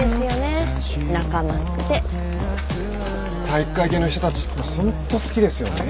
体育会系の人たちってホント好きですよね。